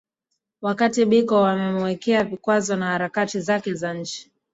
Wakati Biko wamemuwekea vikwazo na harakati zake za nchi